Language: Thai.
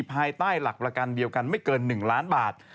ภายใต้หลักประกันเดียวกันไม่เกิน๑ล้านบาท